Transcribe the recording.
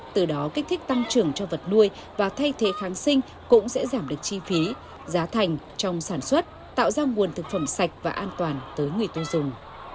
từ đó kích thích tăng trưởng cho vật nuôi và thay thế kháng sinh cũng sẽ giảm được chi phí giá thành trong sản xuất tạo ra nguồn thực phẩm sạch và an toàn tới người tiêu dùng